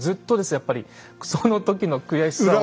やっぱりその時の悔しさを。